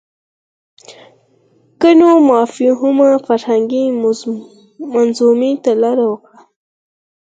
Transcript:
ګڼو مفاهیمو فرهنګي منظومې ته لاره وکړه